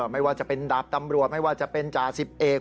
ไม่ว่าจะเป็นดาบตำรวจไม่ว่าจะเป็นจ่าสิบเอก